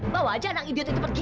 bawa aja anak idiot itu pergi